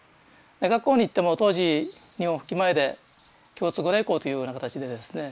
学校に行っても当時日本復帰前で共通語励行というような形でですね